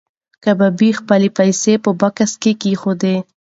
کبابي خپلې پیسې په بکس کې کېښودې.